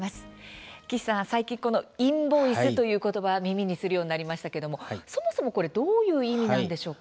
岸さん、最近インボイスという言葉耳にするようになりましたがそもそもどういう意味ですか？